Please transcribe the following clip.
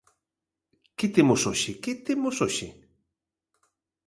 Que temos hoxe? Que temos hoxe?